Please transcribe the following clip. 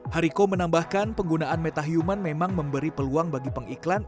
hariko menambahkan penggunaan metahuman memang memberi peluang bagi pengiklan